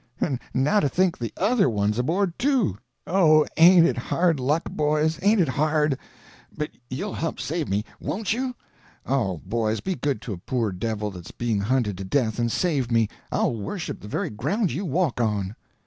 And now to think the other one's aboard, too! Oh, ain't it hard luck, boys—ain't it hard! But you'll help save me, won't you?—oh, boys, be good to a poor devil that's being hunted to death, and save me—I'll worship the very ground you walk on!"